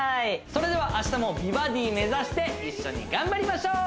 それでは明日も美バディ目指して一緒に頑張りましょう！